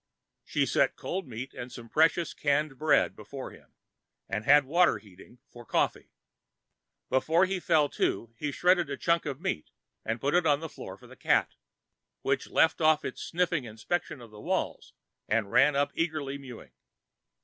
She set cold meat and some precious canned bread before him and had water heating for coffee. Before he fell to, he shredded a chunk of meat and put it on the floor for the cat, which left off its sniffing inspection of the walls and ran up eagerly mewing.